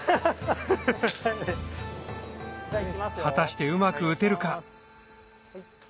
果たしてうまく打てるか？